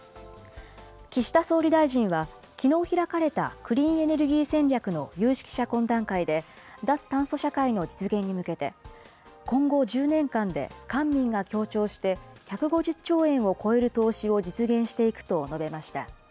岸田総理大臣は、きのう開かれた、クリーンエネルギー戦略の有識者懇談会で、脱炭素社会の実現に向けて、今後１０年間で、官民が協調して１５０兆円を超える投資を実現していくと述べました。